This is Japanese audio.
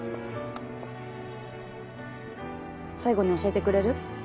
最後に教えてくれる？